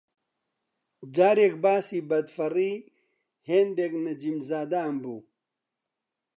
جارێک باسی بەدفەڕی هێندێک نەجیمزادان بوو